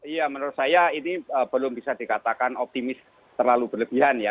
ya menurut saya ini belum bisa dikatakan optimis terlalu berlebihan ya